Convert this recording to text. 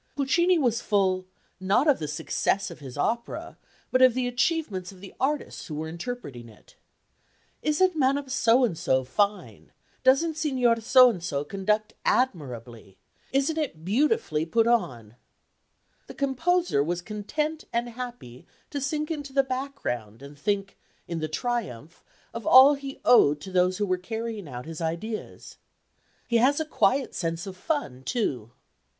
Puccini was full, not of the success of his opera, but of the achievements of the artists who were interpreting it. "Isn't Madame So and so fine?" "Doesn't Signor So and so conduct admirably?" "Isn't it beautifully put on?" The composer was content and happy to sink into the background and think, in the triumph, of all he owed to those who were carrying out his ideas. He has a quiet sense of fun, too.